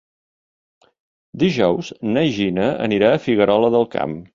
Dijous na Gina anirà a Figuerola del Camp.